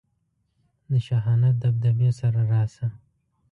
د شاهانه دبدبې سره راشه.